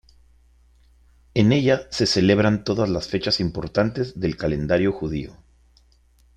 En ella se celebran todas las fechas importantes del calendario judío.